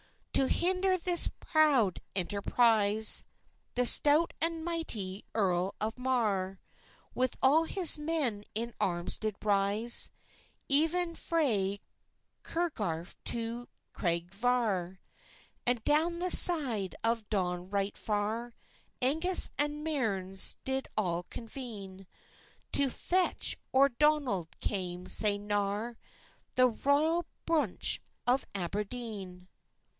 To hinder this prowd enterprise, The stout and michty Erl of Marr With all his men in arms did ryse, Even frae Curgarf to Craigyvar: And down the syde of Don richt far, Angus and Mearns did all convene To fecht, or Donald came sae nar The ryall bruch of Aberdene.